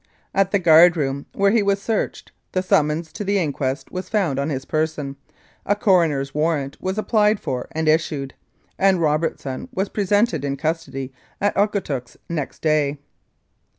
At the guard room, where he was searched, the summons to the inquest was found on his person, a coroner's warrant was applied for and issued, and Robertson was pre sented in custody at Okotoks next day.